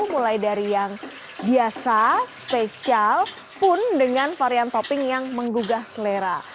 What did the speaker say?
mulai dari yang biasa spesial pun dengan varian topping yang menggugah selera